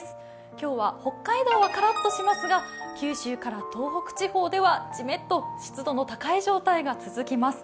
今日は北海道はからっとしますが、九州から東北地方ではジメッと湿度の高い状態が続きます。